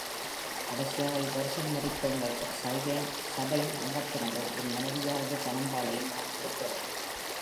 கடைசியாக இவ் வருஷம் மரித்த எங்கள் சபையின் அங்கத்தினருள், என் மனைவியாகிய தனம்மாளையும் நான் குறிக்கவேண்டும்.